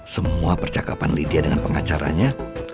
semua percakapan lydia dengan pengacaranya